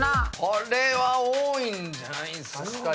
これは多いんじゃないですか？